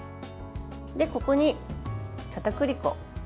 ここに、かたくり粉。